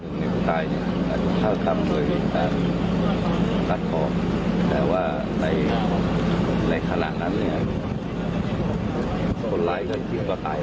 คนตกจริงส่วนอีกจริงผู้ตายคนคือเป็นผู้หลายชั้นที่แข่ง